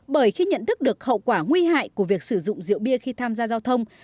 bởi khi nhận thức được hậu quả nguy hại của việc sử dụng rượu bia khi tham gia giao thông